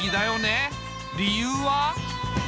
理由は。